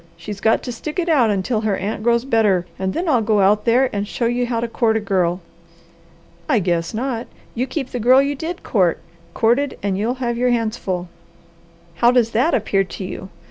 She's got to stick it out until her aunt grows better, and then I'll go out there and show you how to court a girl." "I guess not! You keep the girl you did court, courted, and you'll have your hands full. How does that appear to you?"